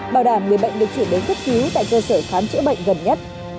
bảo đảm người bệnh được chuyển đến cấp cứu tại cơ sở khám chữa bệnh gần nhất